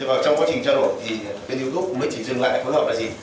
và trong quá trình trao đổi thì bên youtube mới chỉ dừng lại phối hợp là gì